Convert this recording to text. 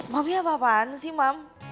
mami apa apaan sih mam